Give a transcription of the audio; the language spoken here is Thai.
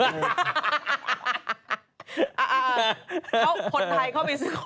คนไทยเข้าไปซุขค่อนนี้